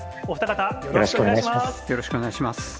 お二方、よろしくお願いします。